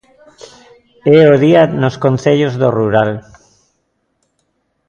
É o día nos concellos do rural.